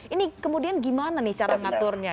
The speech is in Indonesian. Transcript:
ini kemudian gimana nih cara ngaturnya